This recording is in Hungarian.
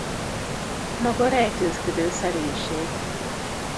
Maga Rejtőzködő Szerénység!